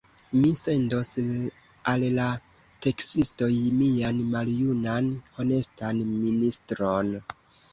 Mi sendos al la teksistoj mian maljunan honestan ministron!